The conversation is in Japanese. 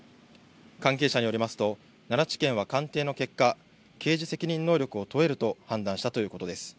関係者によりますと、奈良地検は鑑定の結果、刑事責任能力を問えると判断したということです。